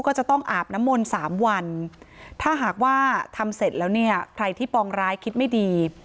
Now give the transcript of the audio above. ก็จะต้องอาบน้ำมนต์สามวันถ้าหากว่าทำเสร็จแล้วเนี่ยใครที่ปองร้ายคิดไม่ดี